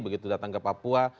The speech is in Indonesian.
begitu datang ke papua